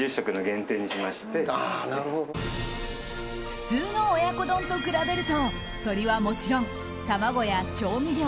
普通の親子丼と比べると鶏はもちろん、卵や調味料